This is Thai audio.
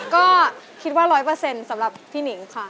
ก็คิดว่าร้อยเปอร์เซ็นต์สำหรับพี่หนิงค่ะ